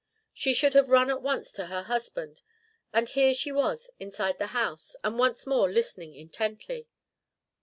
She should have run at once to her husband, and here she was inside the house, and once more listening intently.